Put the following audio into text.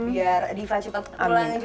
biar diva cepat pulang juga